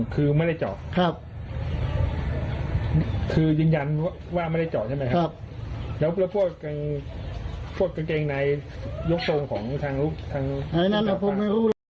ก็บอกไม่ไปอ่ะเดี๋ยวน้องฟังเสียงดูหน่อยมา